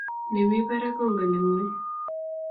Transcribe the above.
nemi barak kongone nguny